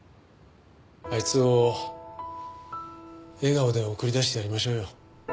あいつを笑顔で送り出してやりましょうよ。